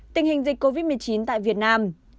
tình hình dịch covid một mươi chín tại việt nam